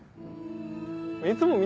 いつも見